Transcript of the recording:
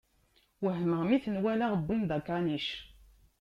Wehmeɣ mi ten-walaɣ wwin-d akanic.